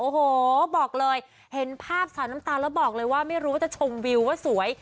โอ้โหบอกเลยเห็นภาพสายน้ำตาแล้วบอกเลยว่าไม่รู้ว่าจะชมวิวว่าสวย